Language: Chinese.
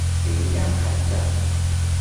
鸣梁海战